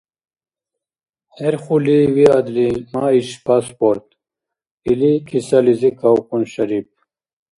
— ХӀерхули виадли, ма иш паспорт, — или, кисализи кавхъун Шарип.